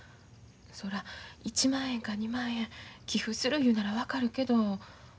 そら１万円か２万円寄付するいうなら分かるけど。